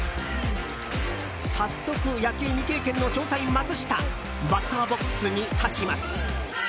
早速、野球未経験の調査員マツシタバッターボックスに立ちます。